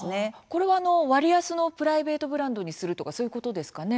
これは、割安のプライベートブランドにするとかそういうことですかね？